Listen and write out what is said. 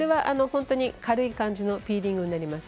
軽い感じのピーリングになります。